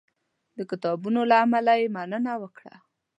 د کتابونو له امله یې مننه وکړه.